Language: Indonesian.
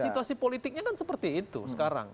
situasi politiknya kan seperti itu sekarang